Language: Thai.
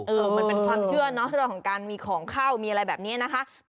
มันเป็นความเชื่อเนอะเรื่องของการมีของเข้ามีอะไรแบบนี้นะคะ